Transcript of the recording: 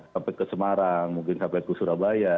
sampai ke semarang mungkin sampai ke surabaya